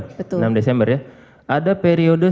enam desember ya ada periode